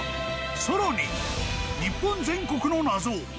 更に、日本全国の謎。